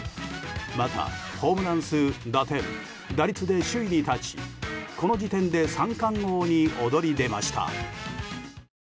また、ホームラン数、打点打率で首位に立ちこの時点で三冠王に躍り出ました。